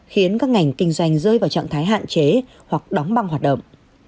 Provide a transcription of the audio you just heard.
khiến các ngành kinh doanh rơi vào trạng thái hạn chế hoặc đóng băng hoạt động